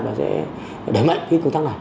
và sẽ đẩy mạnh công tác này